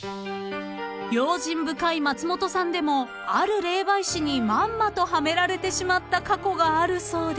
［用心深い松本さんでもある霊媒師にまんまとはめられてしまった過去があるそうで］